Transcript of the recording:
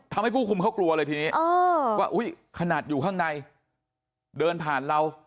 ทำให้ผู้คุมเขากลัวเลยทีนี้ว่าขนาดอยู่ข้างในเดินผ่านเรา